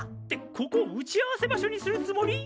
ここを打ち合わせ場所にするつもり！？